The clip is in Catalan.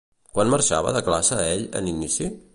Quan marxava de classe ell en inici?